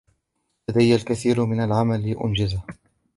لدي الكثير من العمل لأنجزهُ.